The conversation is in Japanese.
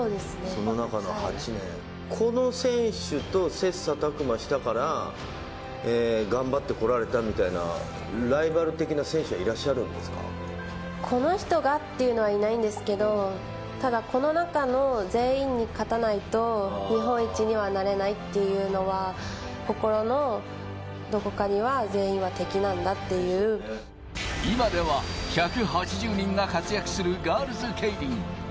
その中の８年、この選手と切さたく磨したから、頑張ってこられたみたいなライバル的な選手はこの人がっていうのはいないんですけど、ただ、この中の全員に勝たないと日本一にはなれないっていうのは、心のどこかには、今では１８０人が活躍するガールズケイリン。